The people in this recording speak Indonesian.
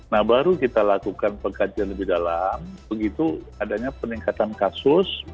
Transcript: nah baru kita lakukan pengkajian lebih dalam begitu adanya peningkatan kasus